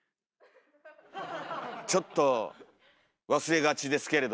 ちょっと忘れがちですけれども。